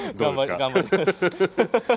頑張ります。